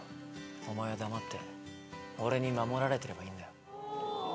お前は黙って俺に守られてればいいんだよ。